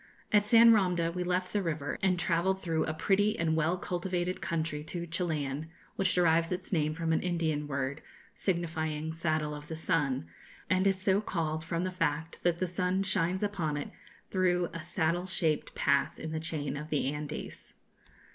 At San Romde we left the river, and travelled through a pretty and well cultivated country to Chilian, which derives its name from an Indian word, signifying 'saddle of the sun,' and is so called from the fact that the sun shines upon it through a saddle shaped pass in the chain of the Andes.